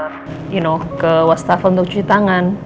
you know ke washtub untuk cuci tangan